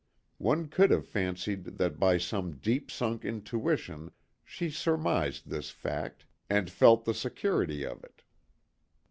One could have fancied that by some deep sunk intuition she surmised this fact, and felt the security of it.